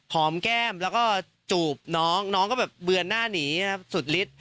หอมแก้มแล้วก็จูบน้องน้องก็แบบเบือนหน้าหนีนะครับสุดฤทธิ